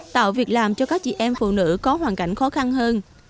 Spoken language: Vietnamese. tạo việc làm cho các chị em phụ nữ có hoàn cảnh khó khăn hơn